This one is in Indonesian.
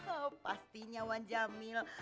oh pastinya wan jamil